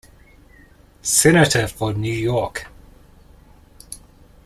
Senator for New York.